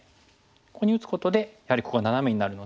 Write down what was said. ここに打つことでやはりここがナナメになるので。